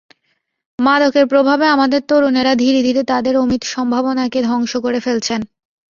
মাদকের প্রভাবে আমাদের তরুণেরা ধীরে ধীরে তাঁদের অমিত সম্ভাবনাকে ধ্বংস করে ফেলছেন।